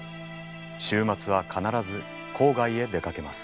週末は必ず郊外へ出かけます。